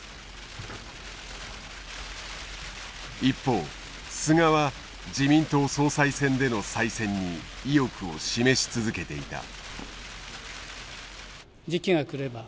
一方菅は自民党総裁選での再選に意欲を示し続けていた。